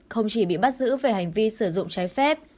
không chỉ bị bắt giữ về hành vi sử dụng trái phép